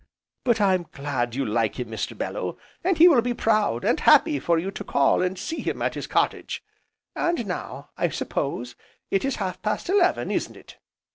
But I'm glad you like him, Mr. Bellew, and he will be proud, and happy for you to call and see him at his cottage. And now, I suppose, it is half past eleven, isn't it?"